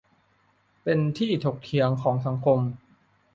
เป็นที่ถกเถียงของสังคม